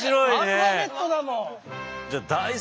アルファベットだもん。